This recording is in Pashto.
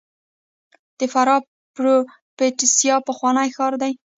د فراه پروفتاسیا پخوانی ښار دی